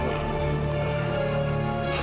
biar ku lihat